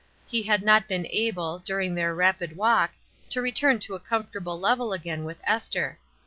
He had not been able, during their rapid walk, to return to a comfortable level again with Esther.